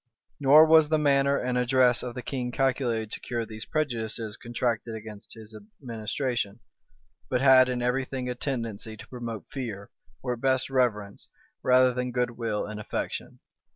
Nor was the manner and address of the king calculated to cure these prejudices contracted against his administration; but had in every thing a tendency to promote fear, or at best reverence, rather than good will and affection.